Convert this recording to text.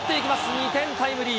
２点タイムリー。